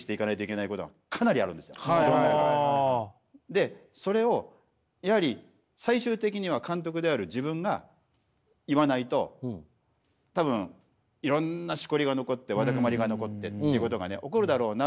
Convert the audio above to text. でそれをやはり最終的には監督である自分が言わないと多分いろんなしこりが残ってわだかまりが残ってということが起こるだろうなっていう事案なんです。